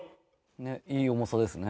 ねえいい重さですね。